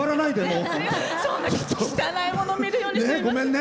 汚いものを見るように。